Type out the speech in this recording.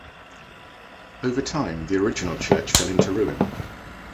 Over time the original church fell into ruin.